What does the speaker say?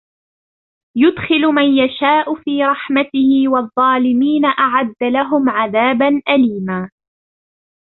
يُدْخِلُ مَنْ يَشَاءُ فِي رَحْمَتِهِ وَالظَّالِمِينَ أَعَدَّ لَهُمْ عَذَابًا أَلِيمًا